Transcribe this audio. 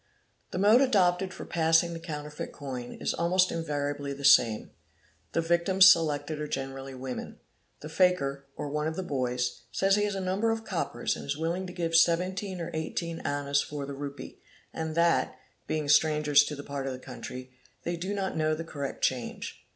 "'he mode adopted for passing the counterfeit coin is almost invar ably the same: the victims selected are generally women. ~The fakir, ¢ one of the boys, says he has a number of coppers and is willing to git 17 or 18 annas for the rupee, and that, being strangers to the part of tl country, they do not know the correct change.